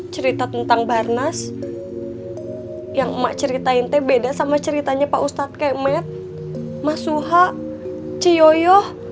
cerita tentang barnas yang emak ceritain teh beda sama ceritanya pak ustadz kekmet mas suha ciyoyo